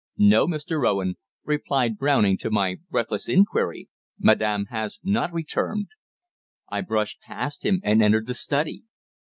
"No, Mr. Owen," replied Browning to my breathless inquiry, "madam has not yet returned." I brushed past him and entered the study.